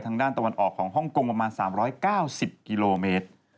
ตะวันออกของฮ่องกงประมาณ๓๙๐กิโลเมตร